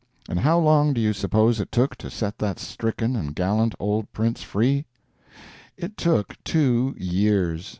And how long do you suppose it took to set that stricken and gallant old Prince free? It took two years.